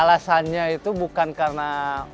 alasannya itu bukan karena